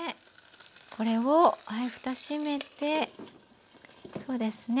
これをふた閉めてそうですね